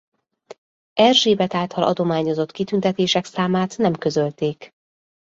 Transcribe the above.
Erzsébet által adományozott kitüntetések számát nem közölték.